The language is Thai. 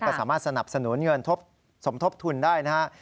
ก็สามารถสนับสนุนเงินสมทบทุนได้นะครับ